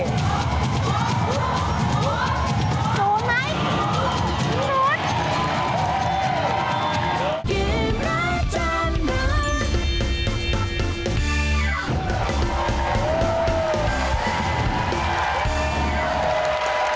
สูงไหม